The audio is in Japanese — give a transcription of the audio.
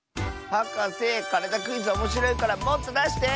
はかせ「からだクイズ」おもしろいからもっとだして！